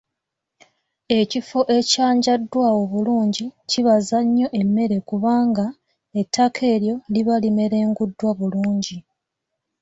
Ekifo ekyanjaddwa obulungi kibaza nnyo emmere kubanga ettaka eryo liba limerenguddwa bulungi.